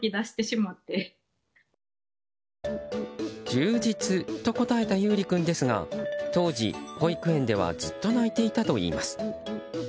「じゅうじつ」と答えたゆうり君ですが当時、保育園ではずっと泣いていたといいます。